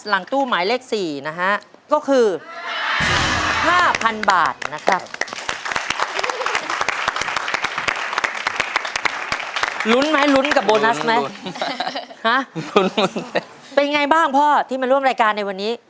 ลุ้นไหมลุ้นกับโบนัสไหมห้ะเป็นไงบ้างพ่อที่มาร่วมรายการในวันนี้